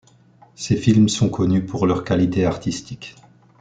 Ses films sont connus pour leur qualité artistique.